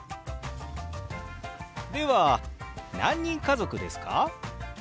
では何人家族ですか？